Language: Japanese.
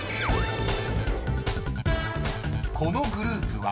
［このグループは？］